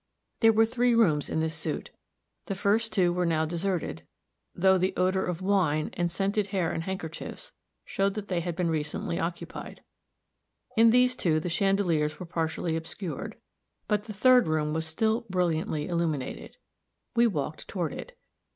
There were three rooms in this suit; the two first were now deserted, though the odor of wine, and scented hair and handkerchiefs, showed that they had been recently occupied. In these two the chandeliers were partially obscured, but the third room was still brilliantly illuminated. We walked toward it.